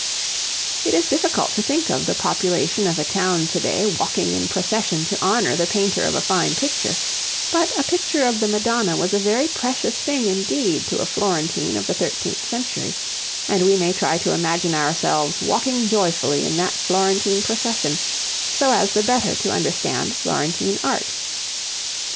It is difficult to think of the population of a town to day walking in procession to honour the painter of a fine picture; but a picture of the Madonna was a very precious thing indeed to a Florentine of the thirteenth century, and we may try to imagine ourselves walking joyfully in that Florentine procession so as the better to understand Florentine Art.